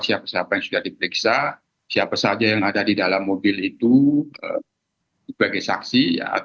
siapa siapa yang sudah diperiksa siapa saja yang ada di dalam mobil itu sebagai saksi